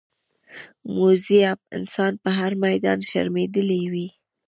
موزي انسان په هر میدان شرمېدلی وي.